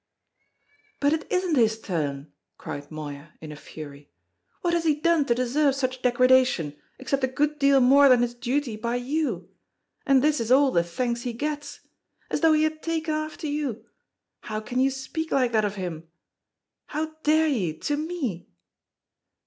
"But it isn't his turn," cried Moya, in a fury; "what has he done to deserve such degradation, except a good deal more than his duty by you? And this is all the thanks he gets! As though he had taken after you! How can you speak like that of him? How dare you to me?"